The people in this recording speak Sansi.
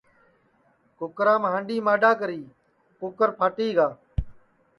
کُکرام ہانڈؔی مانڈؔا کری کُکر پھٹی گا